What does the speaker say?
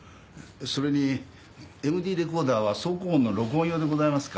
それにＭＤレコーダーは走行音の録音用でございますか。